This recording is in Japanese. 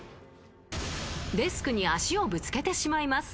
［デスクに足をぶつけてしまいます］